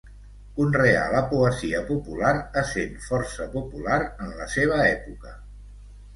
Conreà la poesia popular essent força popular en la seva època.